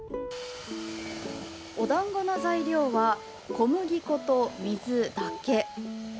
おだんごの材料は小麦粉と水だけ。